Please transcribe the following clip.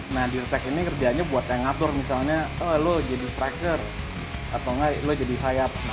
nah deartech ini kerjaannya buat yang ngatur misalnya lo jadi striker atau enggak lo jadi sayap